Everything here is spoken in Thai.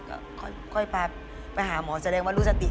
พอได้ดื่มเพราะว่ามีอาการอย่างนั้นอย่างนี้